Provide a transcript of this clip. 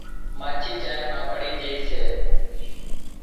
ماڇِي چائيَ مان پڙِي جھئِي سي۔